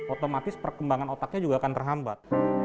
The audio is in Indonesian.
otomatis perkembangan otaknya juga akan terhambat